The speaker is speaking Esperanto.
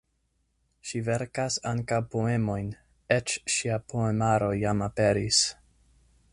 Ŝi verkas ankaŭ poemojn, eĉ ŝia poemaro jam aperis.